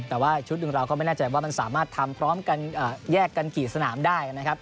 แต่ว่าชุดหนึ่งเราก็ไม่แน่ใจว่ามันสามารถทำพร้อมกันแยกกันกี่สนามได้นะครับ